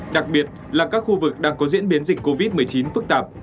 đặc biệt là các khu vực đang có diễn biến dịch covid một mươi chín phức tạp